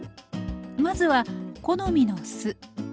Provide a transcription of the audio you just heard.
まずは好みの酢。